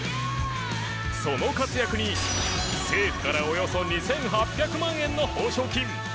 その活躍に、ルーマニア政府からおよそ２８００万円の報奨金。